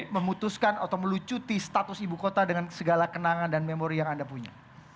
memutuskan atau melucuti status ibu kota dengan segala kenangan dan memori yang anda punya